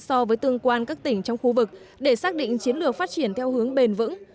so với tương quan các tỉnh trong khu vực để xác định chiến lược phát triển theo hướng bền vững